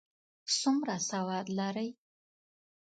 څومره سواد لري؟